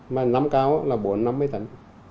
mà năm cao là bốn năm mươi tấn